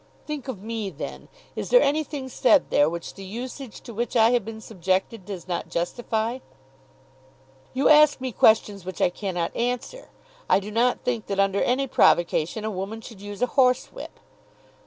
"Think of me, then. Is there anything said there which the usage to which I have been subjected does not justify?" "You ask me questions which I cannot answer. I do not think that under any provocation a woman should use a horsewhip."